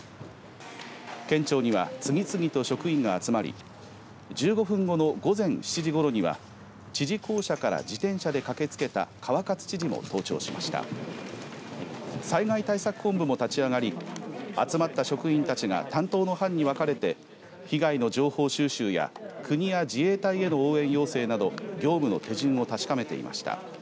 県庁には次々と職員が集まり１５分後の午前７時ごろには知事公舎から自転車で駆けつけた川勝知事も登庁しました災害対策本部も立ち上がり集まった職員たちが担当の班に分かれて被害の情報収集や国や自衛隊への応援要請など、業務の手順を確かめていました。